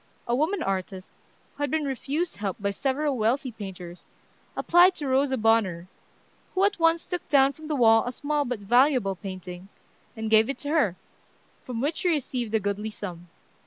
A woman artist, who had been refused help by several wealthy painters, applied to Rosa Bonheur, who at once took down from the wall a small but valuable painting, and gave it to her, from which she received a goodly sum.